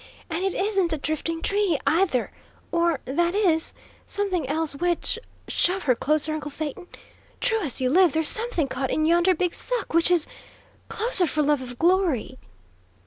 And it isn't a drifting tree, either! Or, that is, something else which shove her closer, uncle Phaeton! True as you live, there's something caught in yonder big suck which is closer, for love of glory!"